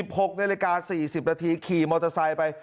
พกในรายการ๔๐นาทีขี่มอเตอร์ไซค์ไป